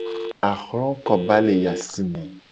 Ahlokoba le yi asi me.